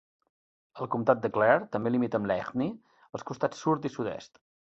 El comtat de Clare també limita amb l'Aidhne als costat sud i sud-est.